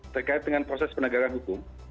terkait dengan proses penegakan hukum